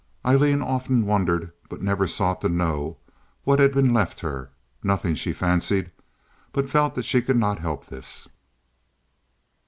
Aileen often wondered, but never sought to know, what had been left her. Nothing she fancied—but felt that she could not help this.